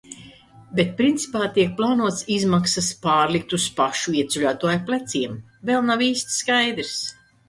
Bet principā tiek plānots izmaksas pārlikt uz pašu ieceļotāju pleciem. Vēl nav īsti skaidrs.